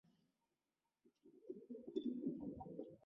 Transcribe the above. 姜氏芋螺为芋螺科芋螺属下的一个种。